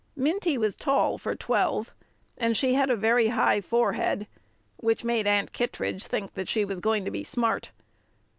Minty was tall for twelve, and she had a very high forehead, which made Aunt Kittredge think that she was going to be "smart."